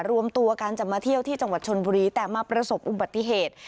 รวมตัวกันจะมาเที่ยวที่จังหวัดชนบุรีแต่มาประสบอุบัติเหตุ